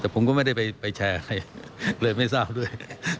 แต่ผมก็ไม่ได้ไปแชร์ใครเลยไม่ทราบด้วย